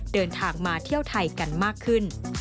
เดินทางมาเที่ยวไทยกันมากขึ้น